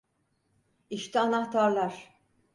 İşte anahtarlar.